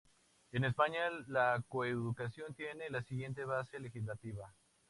En España la coeducación tiene la siguiente base legislativa.